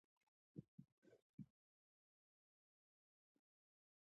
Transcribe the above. ښار ته ننوتل په بازار کې روان شول.